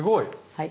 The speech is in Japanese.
はい。